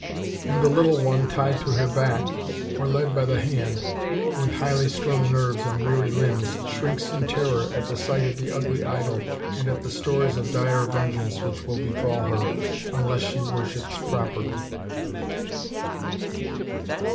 And the little one tied to her back or led by the hand, with highly strung nerves and weary limbs, shrinks in terror at the sight of the ugly idol, and at the stories of dire vengeance which will befall her unless she worships properly.